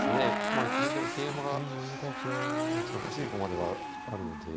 まあ先手も桂馬がもちろん欲しい駒ではあるので。